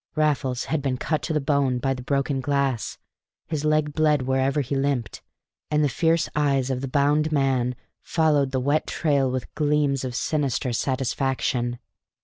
Raffles had been cut to the bone by the broken glass; his leg bled wherever he limped; and the fierce eyes of the bound man followed the wet trail with gleams of sinister satisfaction.